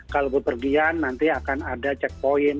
kalau berpergian nanti akan ada checkpoint